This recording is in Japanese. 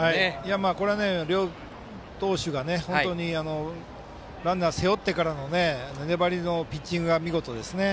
これは、両投手が本当にランナーを背負ってからの粘りのピッチングが見事ですね。